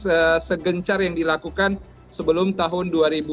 ini adalah perkembangan yang terkenal dan kegencar yang dilakukan sebelum tahun dua ribu tujuh belas